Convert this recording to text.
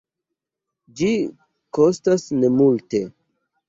Ĝi kostas nemulte.